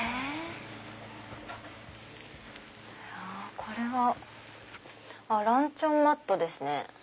これはランチョンマットですね。